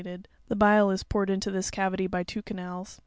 ted: the bile is poured into this cavity by two canals.